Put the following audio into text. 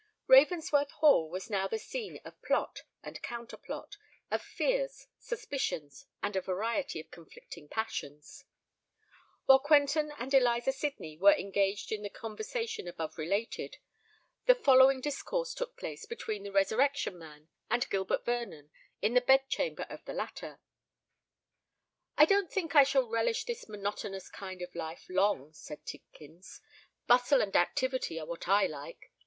Ravensworth Hall was now the scene of plot and counter plot,—of fears, suspicions, and a variety of conflicting passions. While Quentin and Eliza Sydney were engaged in the conversation above related, the following discourse took place between the Resurrection Man and Gilbert Vernon in the bed chamber of the latter. "I don't think I shall relish this monotonous kind of life long," said Tidkins. "Bustle and activity are what I like.